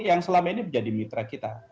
yang selama ini menjadi mitra kita